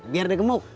biar dia gemuk